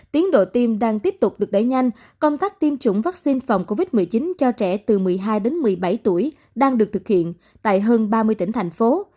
tiến độ tiêm đang tiếp tục được đẩy nhanh công tác tiêm chủng vaccine phòng covid một mươi chín cho trẻ từ một mươi hai đến một mươi bảy tuổi đang được thực hiện tại hơn ba mươi tỉnh thành phố